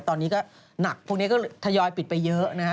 ตอนนี้ก็หนักพวกนี้ก็ทยอยปิดไปเยอะนะฮะ